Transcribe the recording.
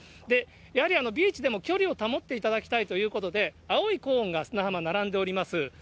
やはりビーチでも距離を保っていただきたいということで、青いコーンが砂浜、並んでおります。